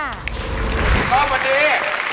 พี่ป้องสวัสดี